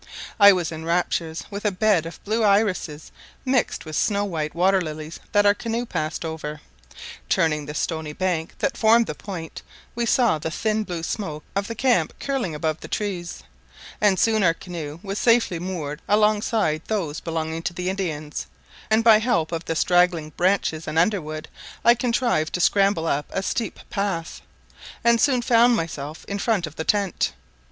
I was in raptures with a bed of blue irises mixed with snow white water lilies that our canoe passed over. Turning the stony bank that formed the point, we saw the thin blue smoke of the camp curling above the trees, and soon our canoe was safely moored alongside of those belonging to the Indians, and by help of the straggling branches and underwood I contrived to scramble up a steep path, and soon found myself in front of the tent.